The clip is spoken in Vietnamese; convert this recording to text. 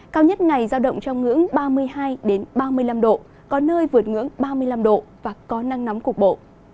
cao nhất ngày giao động trong ngưỡng ba mươi hai ba mươi năm độ có nơi vượt ngưỡng ba mươi năm độ và có nắng nóng cục bộ